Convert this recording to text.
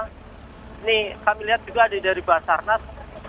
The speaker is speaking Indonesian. ini kami lihat juga dari basarnas